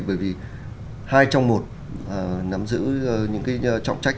bởi vì hai trong một nắm giữ những cái trọng trách